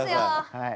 はい！